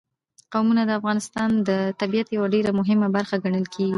قومونه د افغانستان د طبیعت یوه ډېره مهمه برخه ګڼل کېږي.